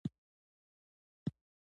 په دې پړاو کې مبادلې ډېر تکامل موندلی وو